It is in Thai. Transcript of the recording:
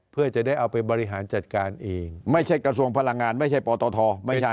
เพื่อจะได้เอาไปบริหารจัดการเองไม่ใช่กระทรวงพลังงานไม่ใช่ปตทไม่ใช่